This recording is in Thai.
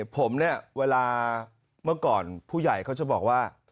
ผมเนี่ยเวลาเมื่อก่อนผู้ใหญ่เขาจะบอกว่า